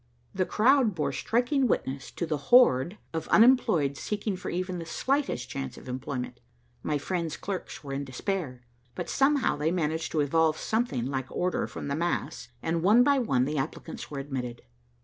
The crowd bore striking witness to the horde of unemployed seeking for even the slightest chance of employment. My friend's clerks were in despair, but somehow they managed to evolve something like order from the mass, and one by one the applicants were admitted.